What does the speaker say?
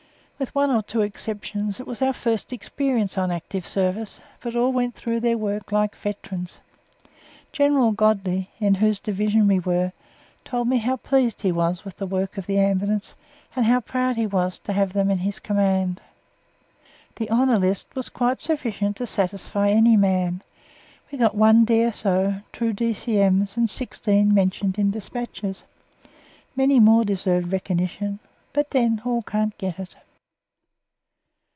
With one or two exceptions it was our first experience on active service, but all went through their work like veterans. General Godley, in whose division we were, told me how pleased he was with the work of the Ambulance and how proud he was to have them in his command. The Honour list was quite sufficient to satisfy any man. We got one D.S.O., two D.C.M.s, and sixteen "Mentioned in Despatches." Many more deserved recognition, but then all can't get it.